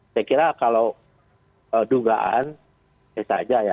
saya kira kalau dugaan saja ya